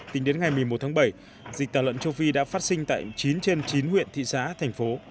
tính đến ngày một mươi một tháng bảy dịch tả lợn châu phi đã phát sinh tại chín trên chín huyện thị xã thành phố